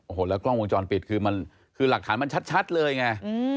โอ้โหแล้วกล้องวงจรปิดคือมันคือหลักฐานมันชัดเลยไง